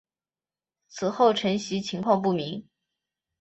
此后承袭情况不明。